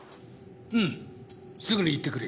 うんすぐに行ってくれ。